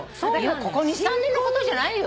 ここ２３年のことじゃないよ。